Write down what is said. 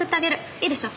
いいでしょ？